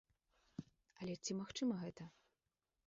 Але ці магчыма гэта?